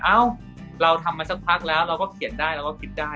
เอ้าเราทำมาสักพักแล้วเราก็เขียนได้เราก็คิดได้